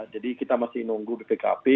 jadi kita masih nunggu bpkp